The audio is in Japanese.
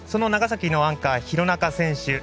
長崎のアンカー、廣中選手。